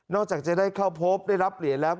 จากจะได้เข้าพบได้รับเหรียญแล้ว